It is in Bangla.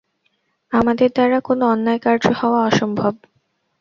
আমাদের দ্বারা কোন অন্যায় কার্য হওয়া অসম্ভব।